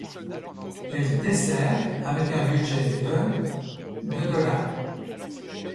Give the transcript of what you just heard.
Elle dessert avec un budget de de dollars.